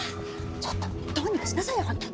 ちょっとどうにかしなさいよあんた。